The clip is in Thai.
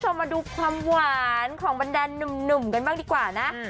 มาดูความหวานของบรรดานหนุ่มกันบ้างดีกว่านะ